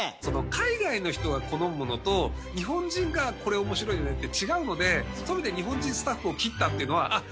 海外の人が好むものと日本人がこれ面白いよねって違うのでそれで日本人スタッフを切ったっていうのはあっ